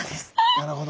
なるほど。